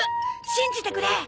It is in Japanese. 信じてくれ！